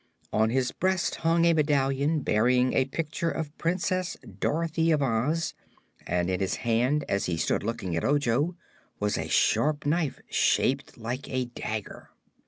On his breast hung a medallion bearing a picture of Princess Dorothy of Oz, and in his hand, as he stood looking at Ojo, was a sharp knife shaped like a dagger.